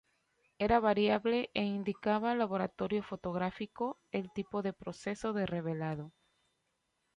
Era variable e indicaba al laboratorio fotográfico el tipo de proceso de revelado.